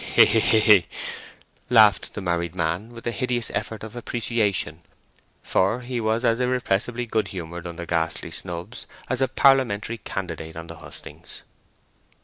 "Heh heh heh!" laughed the married man with a hideous effort of appreciation, for he was as irrepressibly good humoured under ghastly snubs as a parliamentary candidate on the hustings.